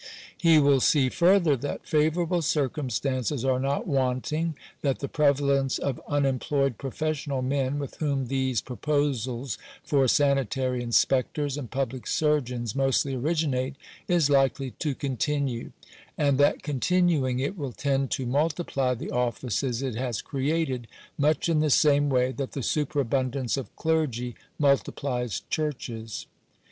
He will see further, that favourable circumstances are not wanting — that the prevalence of unem ployed professional men, with whom these proposals for sanitary inspectors and public surgeons mostly originate, is likely to con tinue ; and that continuing, it will tend to multiply the offices it has created, much in the same way that the superabundance of clergy multiplies churches.